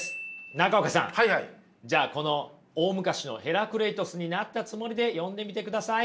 中岡さんじゃあこの大昔のヘラクレイトスになったつもりで読んでみてください。